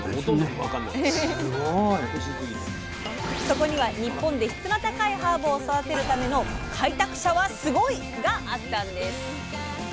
そこには日本で質の高いハーブを育てるための開拓者はスゴイ！があったんです。